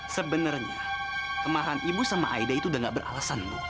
sebenarnya kemarahan ibu sama aida itu udah gak beralasan bu